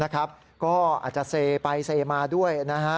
ก็อาจจะเซไปเซมาด้วย